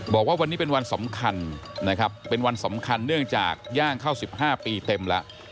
บอกว่าวันนี้เป็นวันสำคัญนะครับเป็นวันสำคัญเนื่องจากย่างเข้า๑๕ปีเต็มแล้ว